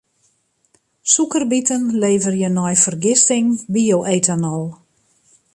Sûkerbiten leverje nei fergisting bio-etanol.